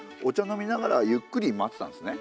飲みながらゆっくり待ってたんですね。